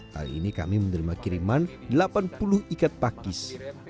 hari ini kami menerima kiriman delapan puluh ikat pakis